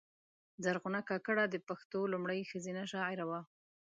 زرغونه کاکړه د پښتو لومړۍ ښځینه شاعره وه .